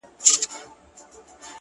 نن شپه له رويا سره خبرې وکړه _